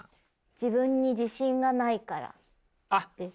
自分に自信がないからですかね。